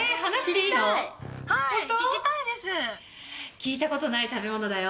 聞いたことない食べ物だよ。